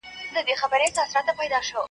غلام دستګير